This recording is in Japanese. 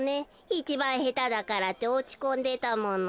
いちばんへただからっておちこんでたもの。